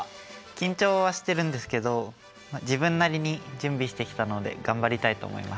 緊張はしてるんですけど自分なりに準備してきたので頑張りたいと思います。